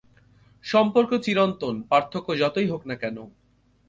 সম্পর্ক চিরন্তন, পার্থক্য যতই হোক না কেন।